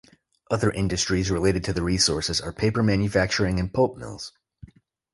Other industries related to the resources are paper manufacturing and pulp mills.